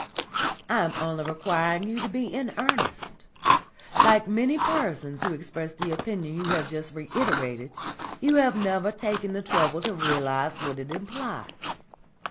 "I am only requiring you to be in earnest. Like many persons who express the opinion you have just reiterated, you have never taken the trouble to realise what it implies.